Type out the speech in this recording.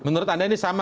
menurut anda ini sama